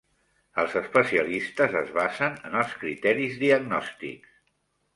Els especialistes es basen en els criteris diagnòstics.